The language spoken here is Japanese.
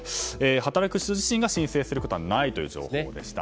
働く人自身が申請することはないという情報でした。